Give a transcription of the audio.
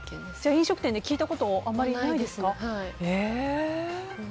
飲食店で聞いたことないですかへえ。